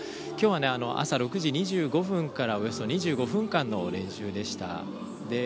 今日は朝６時２５分からおよそ２５分間の練習でした。